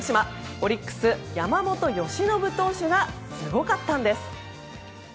オリックス山本由伸投手がすごかったんです。